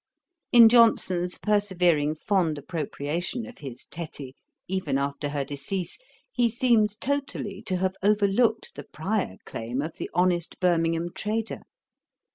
In Johnson's persevering fond appropriation of his Tetty, even after her decease, he seems totally to have overlooked the prior claim of the honest Birmingham trader.